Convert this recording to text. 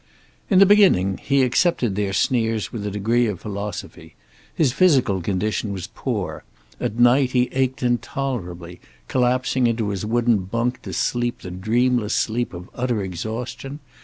In the beginning he accepted their sneers with a degree of philosophy. His physical condition was poor. At night he ached intolerably, collapsing into his wooden bunk to sleep the dreamless sleep of utter exhaustion.